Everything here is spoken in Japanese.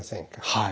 はい。